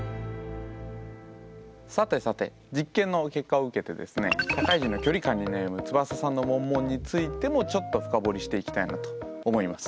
さてさて実験の結果を受けてですねつばささんのモンモンについてもちょっと深掘りしていきたいなと思います。